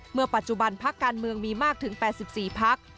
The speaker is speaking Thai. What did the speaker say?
เมื่อปัจจุบันพักการเมืองมีมากถึง๘๔พัก